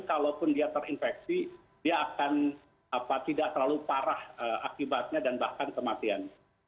kalaupun dia terinfeksi dia akan tidak terlalu parah akibatnya dan bahkan kematian